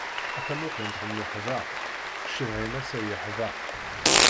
A tamuqint n leḥbeq, cceḍḥ-im ass-a yeḥdeq.